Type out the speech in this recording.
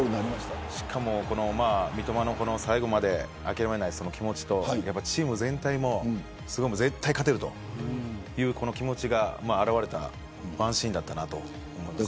しかも、三笘の最後まで諦めない気持ちとチーム全体も絶対に勝てるというこの気持ちが表れたワンシーンだったと思います。